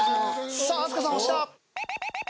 さあ飛鳥さん押した。